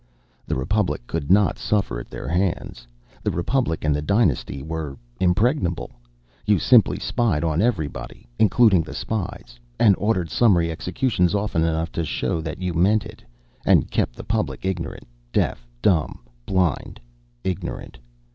The Republic could not suffer at their hands; the Republic and the dynasty were impregnable. You simply spied on everybody including the spies and ordered summary executions often enough to show that you meant it, and kept the public ignorant: deaf dumb blind ignorant.